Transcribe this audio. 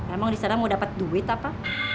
emang disana mau dapet duit apa